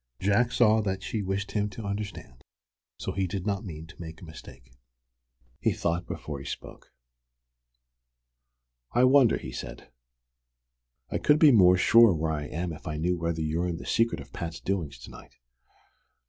Jack saw that she wished him to understand, and so he did not mean to make a mistake. He thought before he spoke. "I wonder?" he said. "I could be more sure where I am if I knew whether you're in the secret of Pat's doings to night."